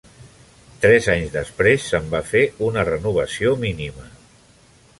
Tres anys després, se'n va fer una renovació mínima.